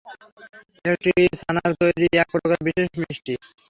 এটি ছানার তৈরি একপ্রকার মিষ্টি বিশেষ।